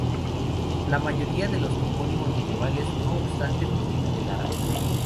La mayoría de los topónimos medievales, no obstante, provienen del árabe.